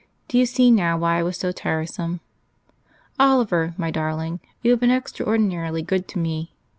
Do you see now why I was so tiresome? "Oliver, my darling, you have been extraordinarily good to me....